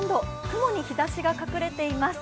雲に日ざしが隠れています。